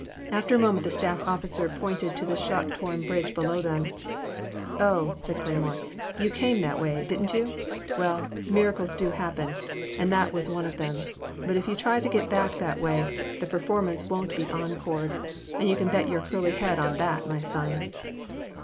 After a moment the staff officer pointed to the shot torn bridge below them. 0h, said Cleymore, '*you came that way, did n't you ? Well, miracles happen, and that was one of them, but if you try to get back that way, the performance won*t be encored, and you can bet your curly head on that, my son.